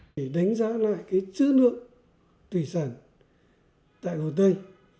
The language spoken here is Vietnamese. để đánh giá lại cái chữ lượng thủy sản tại hồ tây